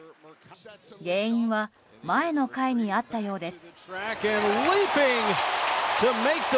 原因は前の回にあったようです。